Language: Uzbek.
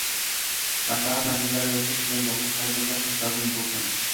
maslahat markazlari yaratish bilan bog‘liq xarajatlar qilish lozim bo‘lsin